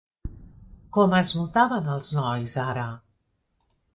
Com es notaven els nois ara?